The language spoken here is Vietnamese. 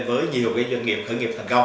với nhiều cái doanh nghiệp khởi nghiệp